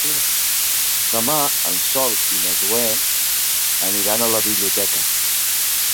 Demà en Sol i na Zoè aniran a la biblioteca.